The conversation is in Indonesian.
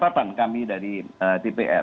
satu catatan kami dari tpr